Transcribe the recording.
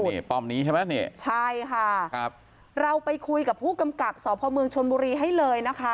นี่ป้อมนี้ใช่ไหมนี่ใช่ค่ะครับเราไปคุยกับผู้กำกับสพเมืองชนบุรีให้เลยนะคะ